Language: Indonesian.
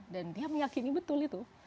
dan dia meyakini betul itu